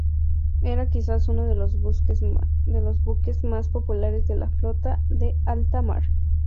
Era quizás uno de los buques más populares de la Flota de Alta Mar.